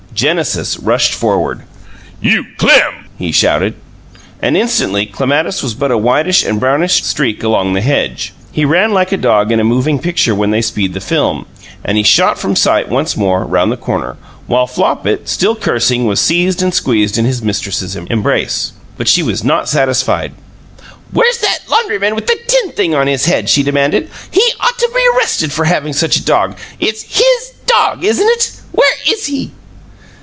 Genesis rushed forward. "You CLEM!" he shouted. And instantly Clematis was but a whitish and brownish streak along the hedge. He ran like a dog in a moving picture when they speed the film, and he shot from sight, once more, round the corner, while Flopit, still cursing, was seized and squeezed in his mistress's embrace. But she was not satisfied. "Where's that laundryman with the tin thing on his head?" she demanded. "He ought to be arrested for having such a dog. It's HIS dog, isn't it? Where is he?"